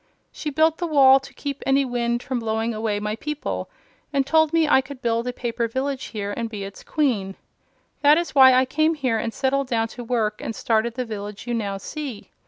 She built the wall to keep any wind from blowing away my people, and told me I could build a paper village here and be its Queen. That is why I came here and settled down to work and started the village you now see.